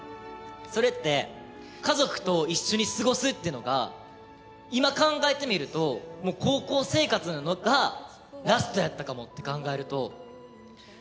それって家族と一緒に過ごすっていうのが今考えてみるともう高校生活がラストやったかもって考えると。